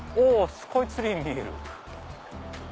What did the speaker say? スカイツリー見える！